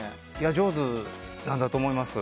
上手なんだと思います。